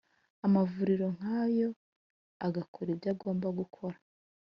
amavuriro nkayo agakora ibyo agomba gukora